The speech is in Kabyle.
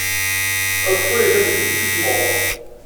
Akeffay atan deg yemsismeḍ.